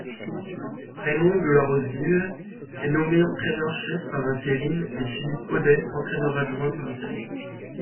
Raymond Delarosbil est nommé entraîneur chef par intérim et Phillipe Audet entraîneur-adjoint par intérim.